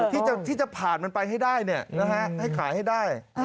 ที่จะผ่านมันไปให้ได้ให้ขายให้ได้